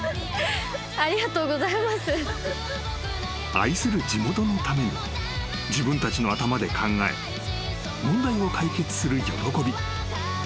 ［愛する地元のために自分たちの頭で考え問題を解決する喜び］